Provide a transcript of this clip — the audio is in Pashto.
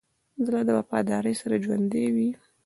زړه د وفادارۍ سره ژوندی وي.